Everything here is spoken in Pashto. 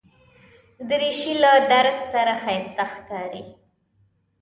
دریشي له درز سره ښایسته ښکاري.